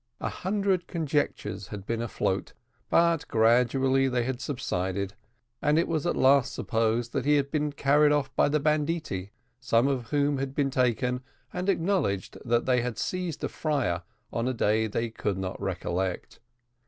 A hundred conjectures had been afloat, but gradually they had subsided, and it was at last supposed that he had been carried off by the banditti, some of whom had been taken, and acknowledged that they had seized a friar on a day which they could not recollect.